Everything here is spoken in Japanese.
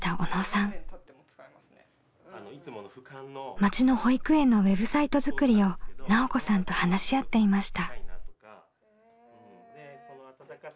町の保育園のウェブサイト作りを奈緒子さんと話し合っていました。